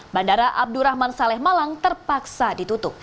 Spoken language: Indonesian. bandara abdurrahman saleh malang terpaksa ditutup